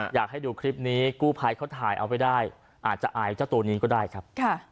อยากให้ดูคลิปนี้กู้ภัยเขาถ่ายเอาไปได้อาจจะอายเจ้าตัวนี้ก็ได้ครับ